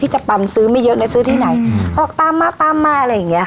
พี่จะปันซื้อไม่เยอะนะซื้อที่ไหนเขาบอกตามมาตามมาอะไรอย่างเงี้ยครับ